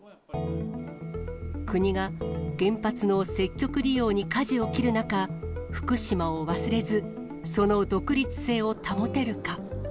国が原発の積極利用にかじを切る中、福島を忘れず、その独立性を保てるか。